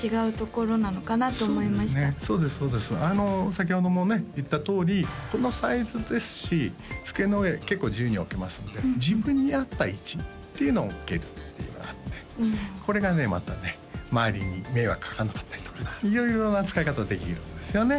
先ほどもね言ったとおりこのサイズですし机の上結構自由に置けますので自分に合った位置っていうのに置けるっていうのがあってこれがねまたね周りに迷惑かからなかったりとか色々な使い方できるんですよね